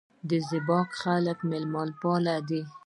د زیباک خلک میلمه پال دي